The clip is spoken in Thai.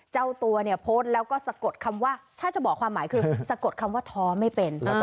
เจ้าตัวเนี่ยโพสต์แล้วก็สะกดคำว่าถ้าจะบอกความหมายคือสะกดคำว่าท้อไม่เป็น